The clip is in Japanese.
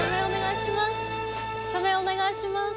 署名お願いします。